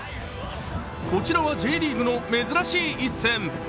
こちらはＪリーグの珍しい一戦。